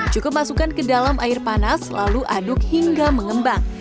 cukup masukkan ke dalam air panas lalu aduk hingga mengembang